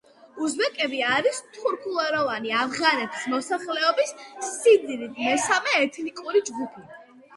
უზბეკები არის თურქულენოვანი ავღანეთის მოსახლეობის სიდიდით მესამე ეთნიკური ჯგუფი.